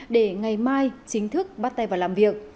để ngày mai chính thức bắt tay vào làm việc